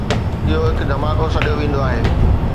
اهو هڪ ڌماڪو سڏيو ويندو آهي.